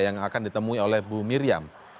yang akan ditemui oleh bu miriam